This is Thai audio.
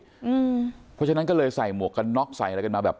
เพราะฉะนั้นก็เลยใส่หมวกกันน็อกใส่อะไรกันมาแบบ